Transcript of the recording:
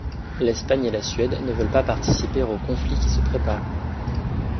L'Espagne et la Suède ne veulent pas participer au conflit qui se prépare.